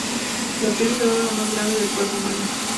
La piel es el órgano más grande del cuerpo humano.